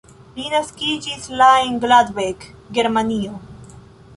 Li naskiĝis la en Gladbeck, Germanio.